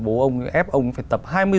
bố ông ép ông phải tập hai mươi giờ